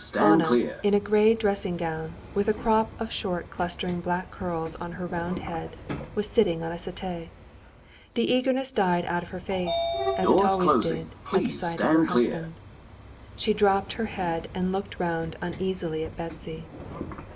Anna, in a gray dressing gown, with a crop of short clustering black curls on her round head, was sitting on a settee. The eagerness died out of her face, as it always did, at the sight of her husband; she dropped her head and looked round uneasily at Betsy.